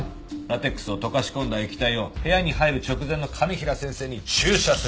ラテックスを溶かし込んだ液体を部屋に入る直前の兼平先生に注射する。